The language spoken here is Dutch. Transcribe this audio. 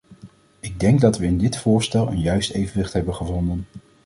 Ik denk dat we in dit voorstel een juist evenwicht hebben gevonden.